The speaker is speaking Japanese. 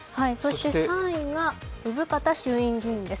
３位が生方衆院議員です。